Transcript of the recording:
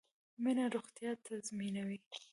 مڼه روغتیا تضمینوي